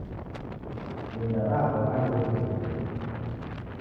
Inda rava maghi iridienyi.